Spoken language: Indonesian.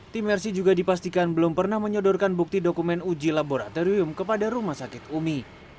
tim mercy juga dipastikan belum pernah menyodorkan bukti dokumen uji laboratorium kepada rumah sakit umi